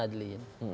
jantung nanah diin